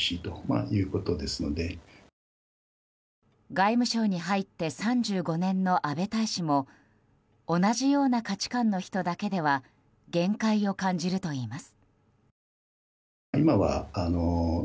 外務省に入って３５年の阿部大使も同じような価値観の人だけでは限界を感じるといいます。